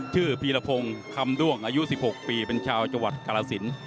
พีรพงศ์คำด้วงอายุ๑๖ปีเป็นชาวจังหวัดกรสิน